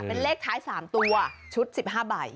เป็นเลขท้าย๓ตัวชุด๑๕ใบ